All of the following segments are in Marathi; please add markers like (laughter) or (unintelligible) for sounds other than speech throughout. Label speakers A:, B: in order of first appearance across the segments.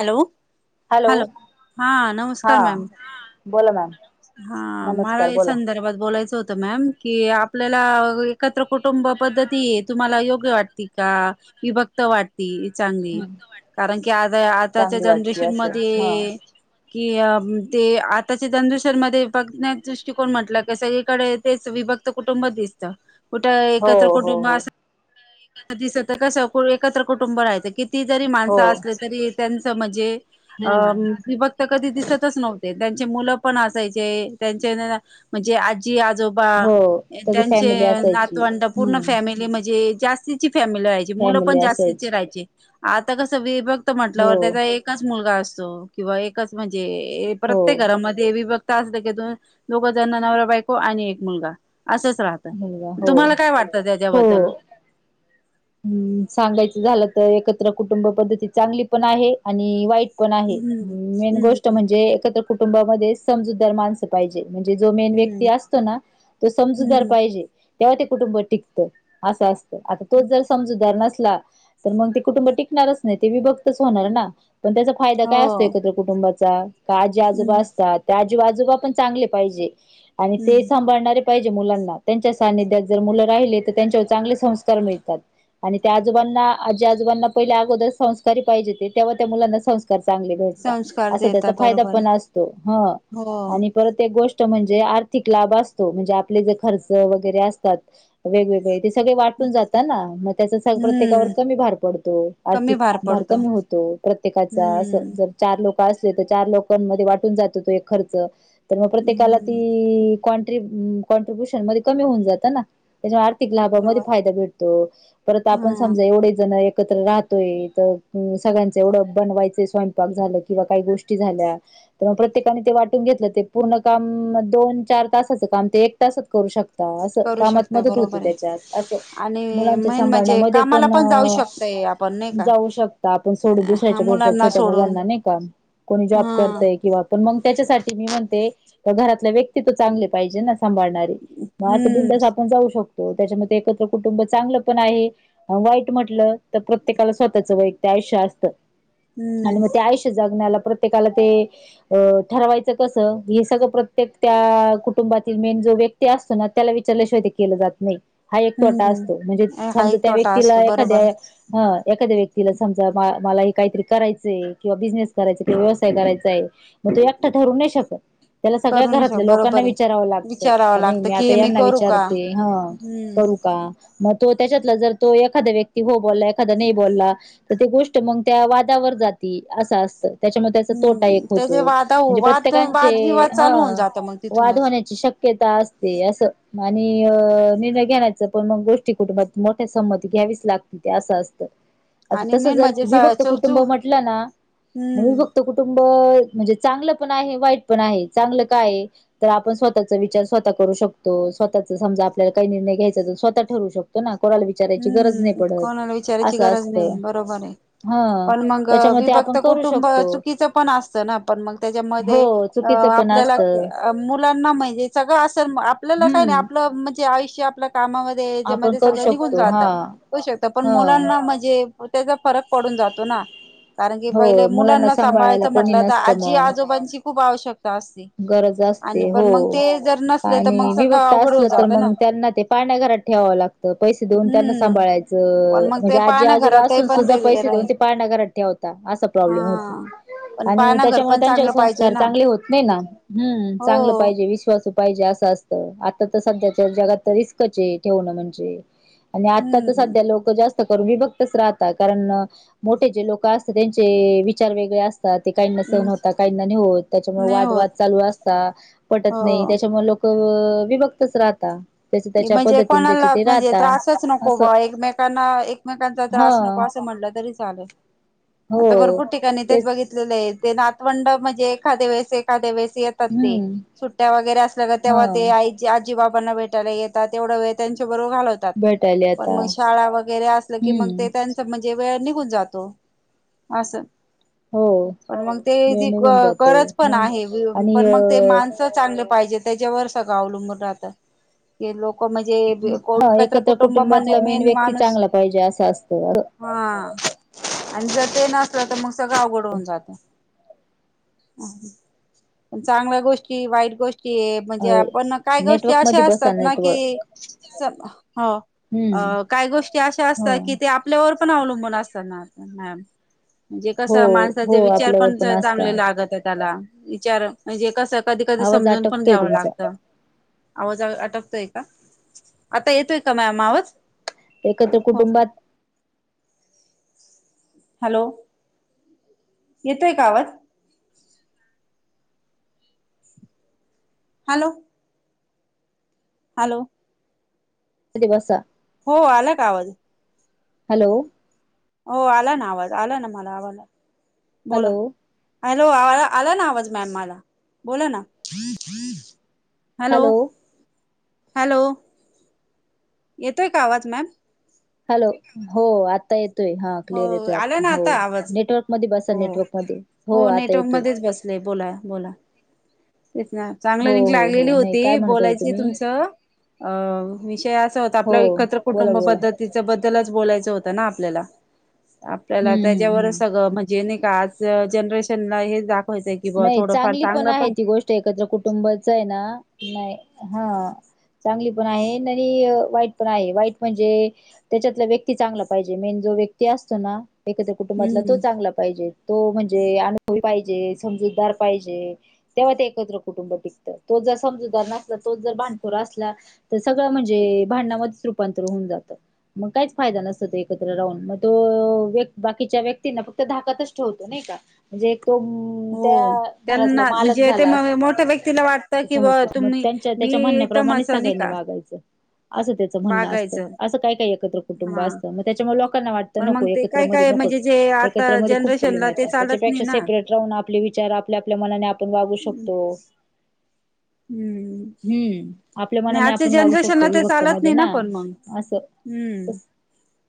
A: हॅलो
B: हॅलो
A: हालो हां
B: हा
A: नमस्कार मॅम.
B: बोला मॅम
A: हां
B: नमस्कार
A: मलाया
B: बोला
A: संदर्भात बोलायचं होत त मॅम की आपल्याला एकत्र कुटुंब पद्धती तुम्हाला यो ग्य वाटती का विभक्त वाटती चांगली
B: हम्म.
A: कारण की आजय आ ताच्या
B: चांगली वाटते
A: जनरेशन
B: असं हा.
A: मध्येए किअ ते आताच्या जनरेशनमध्ये बघण्याच दृष्टिकोन म्हंटल क सगळीकडे तेच विभक् भक्त कुटुंब दिसता. कुठं
B: हो
A: एकत्र
B: हो
A: कुटुंब
B: हो.
A: अस (inaudible) दिसत कस एकत्र कुटुंब रहायचं की. किती जरी
B: हो.
A: माणसं असल तरी त्यांच म्हंजे अं
B: हम्म.
A: विभक्त कधी दिसतच नव्हते त्यांन त्यांन चे मुलंपन असायचे त्यांचे (unintelligible) म्हंजे आज् जी आजोबा
B: हो
A: एन्
B: सगळी
A: त्यांचे
B: फॅमिली असायची
A: नातवंड पूर्ण
B: हम्म.
A: फॅमिली म्हंजे जास्तीची फॅमिली व्हायची
B: फॅमिली
A: मुलंपन जास्तीचे
B: असायची
A: ऱ्हायचे आता कस वि भक्त
B: हो
A: म्हटल्यावर त्याचा एकच मुलगा अस सो किंवा एकच म्हंजेए
B: हो
A: प्रत्येक घरामध्ये विभक क्त असल की दोन दोघं जन नवरा बायको आणि एक मुलगा असंच राहतं
B: मुलगा हो
A: तुम्हाला काय वाटतं त्याच्याबद्दल?
B: हो हम्म सांगायचं झालं तर एकत्र कुटुंब पद्धती चांगली पण आहे आणि वाईट पण आहे
A: हम्म
B: मेन गोष्ट
A: हम्म
B: म्हंजे एकत्र कुटुंबामध्ये समजूतदार माणसं पाईजे. म्हंजे जो मेन व्यक्ती
A: हम्म
B: असतो ना तो समजुदार
A: हम्म
B: पाईजे. तेंव्हा ते कुटुंब टिकतं असं असतं आता तोच जर समजूदार नस ला तर मग ते कुटुंब टिकणारच नाइ ते विभक्तच होणारना. पन त्याचा फायदा
A: हो
B: काय असतो एकत्र कुटुंबाचा का आजी आजोबा
A: हम्म
B: असतात त्या जी आजोबा पण चांगले पाईजे आणि ते
A: हम्म
B: सांभाळणारे पाइजे मुलांना त्यांच्या सानिध्यात जर मुलं राहिले तर त्यांच्यावर चांगले संस्कार मिळ तात आणि त्या आजोबांना आजी आजोबांना पहिल्या अगोदर संस्कारी पाहिजेत ते तेव्हा त्या मुलांना संस् कार चांगले भेटता
A: संस्कार
B: अस त्याचा
A: देतात
B: फायदा
A: बरोबर
B: पण असतो हं
A: हो
B: आणि परत एक गोष्ट ष्ट म्हंजे आर्थिक लाभ असतो म्हंजे आपले जे खर्च वगैरे असतात वेगवेगळेते सगळे वाटून जात ताना म त्याच सग प्रत्येकावर
A: हम्म
B: कमी भार पडतो
A: कमी
B: आर्थिक भार
A: पडतो
B: कमी होतो प्रत्येकाचा. असं
A: हम्म
B: जर चारलोक असलेतर चार लोकांमध्ये वाटून जातो तो एक खर्च तरम प्रत्येकाला
A: हम्म
B: ती कॉन्ट्री ब अं कॉन्ट्रिब्युशन मध्ये कमी होऊन जातना त्याच्यामुळे आर्थिक लाभामध्ये
A: बरोबर
B: फायदा भेट तो परत आपण
A: हम्म
B: समजा एवढेजन आता एकत्र राहतोय त अं सगळ्यांच एवढं बनवायचे स्वयंपाक झालं किंवा काही गोष्टी झाल्या तरम प्रत्येकाने ते वाटून घेतलं ते पूर्ण कामअ दोन चार तासाच काम ते एक तासात करू शक ता असं
A: करू
B: कामात
A: शकतोय
B: मदत होते
A: बरोबर आहे
B: त्याच्यात असं.
A: आणि
B: मुलांच्या
A: मेन म्हणजे
B: सांभाळण्यामध्ये
A: कामाला पण जाऊ
B: पणअ
A: शकतय आपण नाही का
B: जाऊ शकता आपण सोडू
A: हा
B: दुसऱ्याच्या भरोश्यावर
A: मुलांना
B: छोट
A: सोडून
B: मुलांना नाही का कोण
A: हा
B: त्याच्यासाठी मी म्हणते घरातल्या व्यक्ती तर चांगले पाहिजे न आपण
A: हम्म
B: बिनधास्त असं जाऊ शकतो त्याच्या कुु चांगलं पण आहे वाईट म्हटलं तर प्रत्येकाला स्वतःच वै ते आयुष्य असत आणि
A: हम्म
B: मग ते आयुष्य जगण्याला प्रत्येकाला ते ठरवायचं कस हे सगळं प्रत्येक त्या कुटुंबातील मेन ो व्यक्ती असतो ना त्याला विचारल्याशिवाय ते केलं जात नाही हा एक तोटा असतो
A: हम्म
B: म्हणजे
A: अ, हा
B: समज
A: एक
B: त्या
A: तोटा
B: व्यक्तीला
A: असतो
B: एखाद्या
A: बरोबर
B: एखाद्या व्यक्तीला समजा मला हे काहीतरी करायचंय किंवा बिझनेस करायच किंवा व्यवसाय करायचाय मग तू एकटा धरू नाही शकत त्याला सगळ्या
A: करू नाही शक
B: घरातल्या लोकांना
A: बरोबर
B: विचारावं
A: आहे विचारावं
B: लागतं नाही मी
A: की
B: आता
A: हे
B: यांना
A: करू का
B: विचारते ह
A: हम्म
B: करू का मग तो त्याच्यातला जर तो एखादा व्यक्ती हो बोलला एखादा नाही बोलला तर ती गोष्ट मग त्या वादावर जात असं त्याच्या त्याचा तोटा
A: हम्म
B: एक
A: त्याचे
B: होतो
A: वादा
B: म्हणजे
A: वाद
B: प्रत्येकचे
A: वादविवाद
B: ह
A: चालू होऊन जात मग
B: वाद
A: तिथूनच
B: होण्या शक्यता असते अस आणि निर्णय घेण्या पण मग गोष्टी कुटुंबात मोठ्या संमती घ्यावीच लागते ते असं असतं असं
A: आणि
B: तस
A: मेन
B: जर
A: म्हणजे
B: विभक्त कुटुंब
A: चौचू
B: म्हटलं ना म
A: हम्म
B: विभक्त कुटुंब म्हणजे चांगलं पण आहे वाईट पण आहे चांगलं काय तर आपण स्वतः विचार स्वतः करू शकत स्वतः समजा आपल्याला काही निर्णय घ्यायचा स्वतः ठरू शकतो ना कोणाला विचारायची गरज नाही
A: हम्म
B: पडत
A: कोणाला विचारायची
B: असं
A: गरज
B: असतं
A: नाही बरोबर आहे
B: हा
A: पण मग
B: त्याच्यामुळे ते
A: विभक्त
B: आपण करू
A: कुटुंब
B: शकतो
A: चुकीचं पण असतं ना पण मग त्याच्यामध्ये
B: हो चुकीचं पण
A: आपल्याला
B: असतं.
A: मुलांना म्हहिजे सगळं असल आपल्याला काय नाही
B: हम्म.
A: आपलं म्हणजे आयुष्य आपल्या कामामध्ये
B: आपण
A: जमध्ये
B: करू
A: सगळं निघून
B: शकतो हा
A: जातात होऊ शकत पण
B: ह
A: मुलांना म्हणजे त्याचा फरक पडून जातो ना कारण की
B: हो
A: पहिले मुलांना
B: सांभाळायला
A: सांभाळायचं
B: कोणी
A: म्हटलं तर
B: नसतं
A: आजी
B: मग
A: आजोबांची खूप आवश्यकता असती
B: अस
A: तर
B: आणि
A: मग सगळं
B: विभक्त
A: अवघड होऊन
B: असलं तर
A: जातं ना
B: मग त्यांना ते पाळणा घरात ठेवा त पै देऊन त्यांना
A: हम्म पण
B: सांभाळायचं
A: मग
B: म्हणजे
A: ते पहा
B: आजी
A: ना घरातही
B: आजूबाजून
A: पण
B: सुद्धा पैसे देऊन
A: राहील
B: ते पाण्या घरात ठेवत असा
A: हा
B: प्रॉब्लेम होतो
A: पण पहा
B: आणि
A: ना घर
B: त्याच्यामुळे
A: पण
B: त्यांचे
A: चांगलं पाहिजे
B: संस्कार
A: ना
B: चांगले होत नाही ना हम्
A: हो
B: चांगलं पाहिजे विश्वास पाहिजे असं असत आता तर सध्याच्या जगात तर रिस्कचे ठेवणं म्हणजे आणि आता तर
A: हम्म
B: सध्या लोक जास्त करून विभक्तच राहतात कारण मोठे जे लोक त्यांचे विचार वेगळे अस ते कां सह होता काहींड होत त्याच्यामुळे
A: नाही होत
B: वादवाद चालू असता पटत
A: हो
B: नाही त्याच्यामुळे लोक मी बघतच राहता त्याच त्याच्या
A: म्हणजे
B: पद्धतीने ज्याचे
A: कोणाला
B: ते
A: म्हणजे
B: राहता
A: त्रासच नको
B: असं
A: बा एकमेकांना एकमेकांचा
B: हा
A: त्रास नको असं म्हण म्हटलं तरी चाले
B: हो
A: आता भरपूर ठिकाणी तेच बघितलेले आहे ते नातवंड म्हणजे एखाद्या वळेस एखाद्या वेळेस येतात ते
B: हम्म
A: सुट्ट्या वगैरे असल्या तर
B: हा
A: तेव्हा ते आ आजी बाबांना भेट येतात तेवढ वेळ त्यां घालवतात
B: भेटायले
A: पण
B: आता
A: मग शाळा वगैरे असलं
B: हम्म
A: की वेळ निघून जातो असं
B: हो
A: पण मग ते
B: वेळ
A: जी
B: निघून जातो
A: गरज पण
B: मग
A: आहे
B: आणि
A: पण
B: अ
A: मग ते माणसं चांगले पाहिजेत त्याच्यावर सगळं अवलंबून राहत हे लोक म्हणजे को
B: हा
A: एकत्र कुटुंब म्ह
B: कुटुंबातला
A: मेन
B: व्यक्ती
A: माणूस
B: चांगला पाहिजे असं असतं
A: हा आणि जर ते नसलं तर मग सगळं अवघड होऊन जातं पण चांगल्या गोष्टी वाईट गोष्टी कि म्हणजे
B: अरे
A: आपण काही गोष्टी
B: नेटवर्क
A: अशा
B: मध्ये बसा
A: असतात ना
B: नेटवर्क
A: कि स हो
B: हम्म
A: काही गोष्टी अशा असतात
B: हो
A: की ते आपल्यावर पण अवलंबून असतात (unintelligible) म्हणजे
B: हो
A: कसं
B: हो
A: माणसाचे विचार
B: आपल्यावर
A: पण
B: असता
A: चांगले लागल्यात त्याला विचार म्हणजे, कसं कधी कधी
B: आवाज
A: समजून पण
B: अटकतोय
A: घ्यावं
B: तुमचा
A: लागत. आवाज आटकतोय का? आता येतोय का मॅम आवाज
B: एकत्र
A: हो
B: कुटुंबात
A: हॅलो येतोय का आवाज? हॅलो हॅलो
B: दिवसा
A: हो आला का आवाज?
B: हॅलो
A: हो आला ना आवाज आला ना मला आवाज
B: हॅलो
A: हॅलो आला ना आवाज मॅम मला बोला ना
B: हन (inaudible)
A: हॅलो हॅलो येतोय का आवाज मॅम?
B: हॅलो हो आता येत य हा
A: हो
B: क्लिअर येतोय,
A: आला
B: आता
A: ना
B: हो
A: आवाज
B: नेटवर्क मध्ये बसा
A: हो
B: नेटवर्क मध्ये हो आता
A: नेटवर्क
B: येतोय.
A: मध्येच बसले बोला बोला तेच ना चांगलं
B: हो
A: लिंक
B: हो
A: लागलेली
B: हो नाही काय
A: होती
B: म्हणत होते
A: बोलायची
B: तुम्ही
A: तुमचं अ विषय (unintelligible) हो आपल्या एकत्र
B: बोला बोला
A: कुटुंबपद्धती बद्दलच बोलायचं होतं ना आपल्याला आपल्याला
B: हम्म हम्म
A: त्याच्यावर
B: हम्म
A: सगळं म्हणजे नाही का आज जनरेशनला हे दाख खाचं कि बा
B: नाही
A: थोडं फार
B: चांगली
A: चांगलं
B: आहे
A: पण
B: ती गोष्ट एकत्र कुटुंबचय ना नाही हा चांगली पण आहे आणि वाईट पण आहे वाईट म्हणजे त्याच्यातला व्यक्ती चांगला पाहिजे मेन जो व्यक्ती असतो ना एकत्र कुटुंबातला
A: हम्म
B: तो
A: हम्म
B: चांगला पाहिजे तो म्हणजे अनुभवी पाहिजे समजूदार पाहिजे तेव्हा ते एकत्र कुटुंब टिकतं तो जर समजूतदार नसला तोच जर भांडखोर आस सगळं म्हणजे भांडणामधे रुपांतर होवून जातं मग काहीच फायदा नसतो त्या एकत्र राहू मग तो बाकीच्या व्यक्तीं फक्त धाकातच ठेवतो नाही का म्हणजे तो
A: हो
B: त्या घरातला
A: त्यांना
B: मालक
A: म्हणजे ते
B: झाला
A: मग मोठ्या व्यक्तीला वाटतं
B: असं
A: कि ब
B: समजतो मग
A: तुम्ही
B: त्याच्या
A: मी
B: त्यांच्या म्हण
A: एकदम
B: प्रमाणे
A: असं नाही
B: सगळ्यांनी
A: का
B: वागायचं असं त्याचं म्हणणं असतं
A: वागायचं
B: असं काय काही एकत्र कुटुंब
A: हा
B: असतं मग त्याच्यामुळे लो कांना वाटत
A: पण
B: नको
A: मग ते
B: एकत्र
A: काय
B: मधे
A: काय म्हणजे
B: नकोच
A: जे आता
B: एकत्र खूप प्रॉब्लेम
A: जनरेशनला ते
B: येतात
A: चालत नाही
B: त्याच्यापेक्षा
A: ना
B: सेपरेट राहून आप आपले विचार आपल्या, आपल्या, मनाने आपण वागू शकतो
A: हम्म
B: हम्म आपल्या
A: नाही
B: मनाने
A: आजच्या
B: आपण वागू
A: जनरेशनला
B: शकतो
A: ते
B: विभक्ता
A: चालत
B: मध्ये
A: नाही
B: ना
A: पण मग
B: असं तस
A: हम्म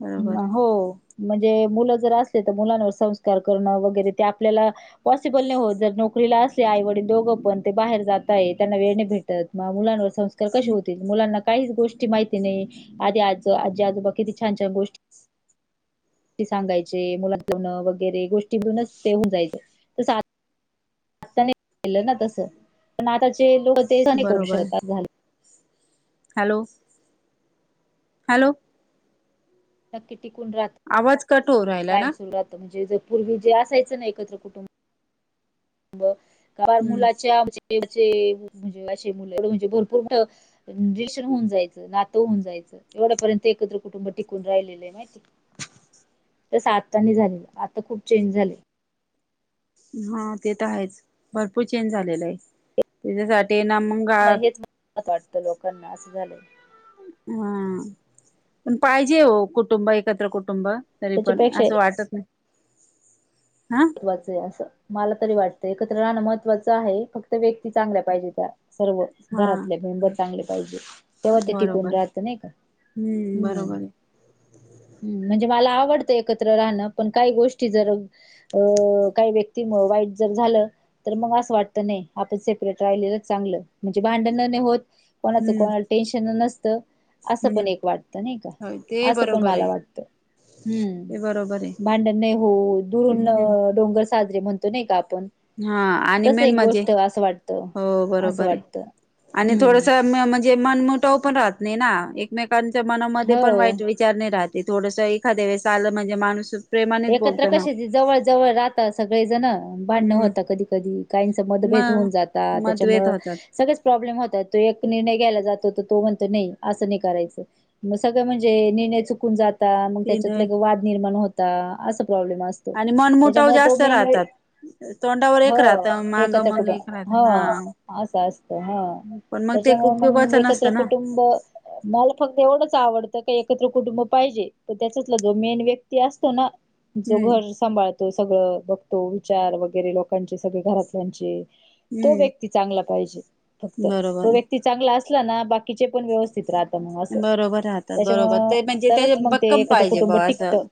A: बरोबर
B: हो म्हणजे मुलं जर असले तर मुलांवर संस्कार करणं वगैरे ते आपल्याला पॉसिबल नाही होत जर नोकरीला असले आईवडील दोघं पण ते बाहेर जाताये त्यांना वेळ नाही भेटत म मुलांवर सं संस्कार कसे होतील? मुलांना काहीच गोष्टी माहिती नाही आधी आज आजी आजोबा किती छान छान गोष्टी सांगायचे मुलान वगैरे गोष्टीतूनच ते होऊन जायच तस केलं ना तसं पण आताचे लोकं ते नाही करू
A: बरोबर
B: शकत असं झालं.
A: हॅलो! हॅलो
B: नक्की टिकून
A: आवाज कट होऊ
B: राहत
A: राहिला ना
B: कायम सुरू राहत म्हणजे जरी पूर्वी जे असायचं ना एकत्र कुटुंब बं पार
A: हम्म
B: मुलाचे आमचे म्हणजे असे मुलंढ म्हणजे भरपूर रिलेशन होऊन जायचं नातं होऊन जायचं एवढ्यापर्यंत एकत्र कुटुंब टिकून राहिलेलंय माहिती
A: ह (unintelligible)
B: त्या सात जणी झालेलं आता खूप चेंज झाले
A: हा ते तर आहेच भरपूर चेंज झालेला आहे त्याच्यासाठी ते ना मग
B: मत वाटतं लोकांना असं झाले
A: हा पण पाहिजे हो कुटुंब एकत्र कुटुंब तरी पण
B: त्याच्यापेक्षा
A: असं वाटत नाही हा
B: महत्त्वाचं आहे असं मला तरी वाटतंय एकत्र राहणं महत्त्वाचं आहे फक्त व्यक्ती चांगल्या पाहिजे त्या सर्व
A: हा
B: घरातले मेंबर चांगले पाहिजे तेव्हा ते
A: बरोबर
B: टिकून राहत नाही का
A: हम्म बरोबर आहे
B: हम् म्हणजे मला आवडतं एकत्र राहणं पण काही गोष्टी जर अ काही व्यक्ती म वाईट जर झालं तर मग असं वाटतं नाही आपण सेपरेट राहिलेलं चांगली पण भांडणं नाही होत
A: हम्म
B: कोणाचे टेन्शन नसतं असं
A: हम्म
B: पण एक वाटतं नाही का
A: हो ते
B: असं पण
A: बरोबर
B: मला
A: आहे
B: वाटत हम्
A: ते बरोबर आहे
B: भांडण नाही हो दुरून
A: हम्म
B: डोंगर साजरे म्हणतो नाही का आप
A: हा आणि
B: तस
A: मेन
B: एक
A: म्हणजे
B: गोष्ट असं वाटत
A: हो
B: असं
A: बरोबर आहे
B: वाटत
A: आणि थोडसं म्हणजे मनमठा पण राहत नाही ना एकमेकांच्या मनामध्ये पण
B: हो
A: वाईट विचार नाही राहत ते थोडसं एखाद्या वस आलं म्हणजे माणूस प्रेमानेच
B: एकत्र
A: बोलतो ना
B: कसे जवळ जवळ राहत सगळे जण भांडण
A: हम्म
B: होत कधी कधी काहींच मतभेद
A: मग
B: होऊन जातात
A: मतभेद
B: त्याच्यामुळे
A: होतात
B: सगळच प्रॉब्लेम होतो तो एकदा म्हणतो असं नाही करायचं
A: तीन
B: त्याच्यातून वाद निर्माण होता अस
A: आणि मनमुटाव जास्त
B: तुम्ही
A: राहतात तोंडावर एक राहत मांग
B: एकत्र
A: मग
B: कुटुंब
A: एक राहत
B: हा असं असत ह
A: पण मग ते
B: त्याच्यामुळे मग
A: उपयोगाच
B: एकत्र
A: नसतं ना
B: कुटुंब मला फक्त एवढंच आवडतं का एकत्र कुटुंब पाहिजे प त्याच्यातला जो मेन व्यक्ती असतो ना जो
A: हम्म
B: घर सांभाळतो सगळं बघतो विचार वगैरे लोकांचे सगळे घरातल्यांचे तो
A: हम्म
B: व्यक्ती चांगला पाहिजे फक्त
A: बरोबर
B: तो व्यक्ती चांगला अस ना बाकीचे पण व्यवस्थित राहत मग असं
A: बरोबर राहतात बरोबर ते
B: त्याच्यामुळे
A: म्हणजे त्याचे
B: तरच मग ते
A: भक्कम
B: एखादं
A: पाहिजे ब
B: कुटुंब टिकतं
A: असं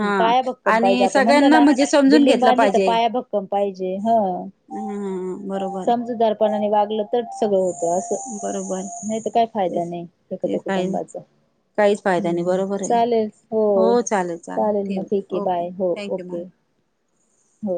A: हा
B: पाया भक्कम पाहिजे
A: आणि
B: आपण म्हणतो
A: सगळ्यांना
B: ना
A: म्हणजे समजून
B: बिल्डिंग
A: घेतलं
B: बांधली तर
A: पाहिजे
B: पाया भक्कम पाहिजे ह
A: हा बरोबर
B: समजूदारपणाने वागलं तर सगळं होत
A: बरोबर
B: असं नाही तर काय फायदा
A: तेच
B: नाही एकत्र
A: ते काही
B: कुटुंबाचा
A: काहीच फायदा नाही
B: हम्म
A: बरोबर आहे
B: चालेल हो
A: चालेल
B: चालेल मग
A: ठेव
B: ठीक आहे
A: ओके
B: बाय हो
A: थँक्यू मॅम
B: ओके हो